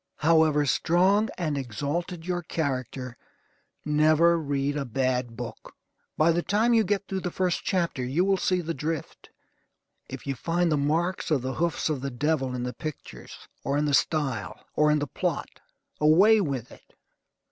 However strong and exalted your character, never read a bad book. By the time you get through the first chapter you will see the drift; If you find the marks of the hoofs of the devil in the pictures, or in the style, or in the plot, away with it.